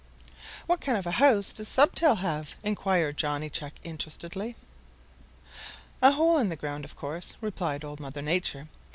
"What kind of a house does Stubtail have?" inquired Johnny Chuck interestedly. "A hole in the ground, of course," replied Old Mother Nature.